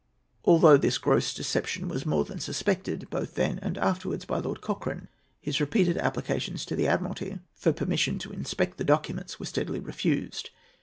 Although this gross deception was more than suspected, both then and afterwards, by Lord Cochrane, his repeated applications to the Admiralty for permission to inspect the documents were steadily refused.